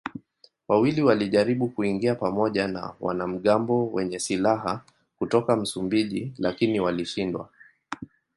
Wawili walijaribu kuingia pamoja na wanamgambo wenye silaha kutoka Msumbiji lakini walishindwa.